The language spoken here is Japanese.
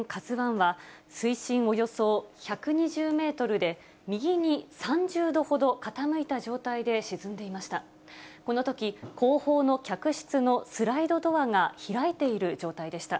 ＫＡＺＵＩは、水深およそ１２０メートルで右に３０度ほど傾いた状態で沈んでいました。